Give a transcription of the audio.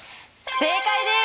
正解です！